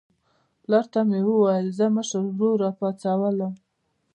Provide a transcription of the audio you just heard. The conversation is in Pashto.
پلار ته مې وویل زه مشر ورور راپاڅوم.